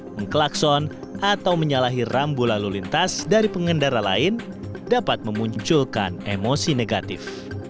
mengklakson atau menyalahi rambu lalu lintas dari pengendara lain dapat memunculkan emosi negatif